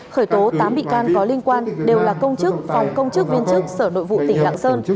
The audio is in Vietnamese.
khởi tố tám bị can có liên quan đều là công chức phòng công chức viên chức sở nội vụ tỉnh lạng sơn